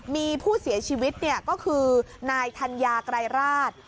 มีผู้เสียชีวิตเนี่ยก็คือนายธัญญากรายราช